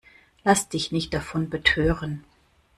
Lass dich nicht davon betören!